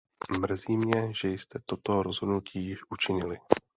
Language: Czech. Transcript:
Mrzí mě, že jste toto rozhodnutí již učinili.